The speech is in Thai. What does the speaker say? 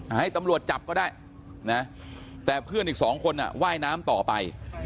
ให้ตำรวจจับก็ได้นะแต่เพื่อนอีกสองคนว่ายน้ำต่อไป